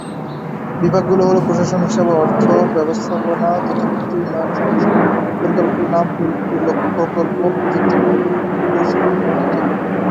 বিভাগগুলো হলো প্রশাসন, হিসাব ও অর্থ, ব্যবস্থাপনা তথ্য পদ্ধতি, উন্নয়ন ও সম্প্রসারণ, পরিকল্পনা, প্রকল্প, প্রযুক্তি, পুরকৌশল ও নিরীক্ষা বিভাগ।